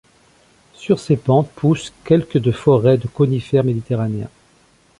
Sur ses pentes poussent quelque de forêt de conifères méditerranéens.